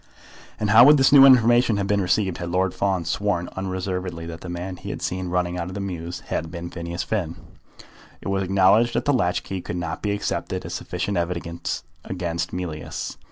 And how would this new information have been received had Lord Fawn sworn unreservedly that the man he had seen running out of the mews had been Phineas Finn? It was acknowledged that the latch key could not be accepted as sufficient evidence against Mealyus.